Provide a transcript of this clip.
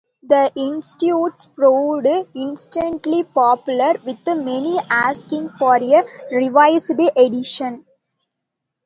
The "Institutes" proved instantly popular, with many asking for a revised edition.